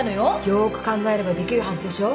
よく考えればできるはずでしょ？